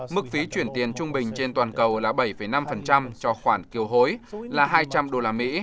mức phí chuyển tiền trung bình trên toàn cầu là bảy năm cho khoản kiều hối là hai trăm linh đô la mỹ